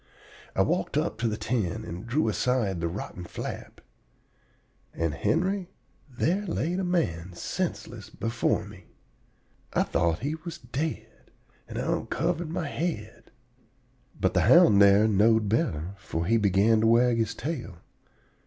I walked up to the tent and drew aside the rotten flap. And, Henry, there lay the man senseless before me! I thought he was dead, and I onkivered my head. But the hound here knowed better, for he began to wag his tail.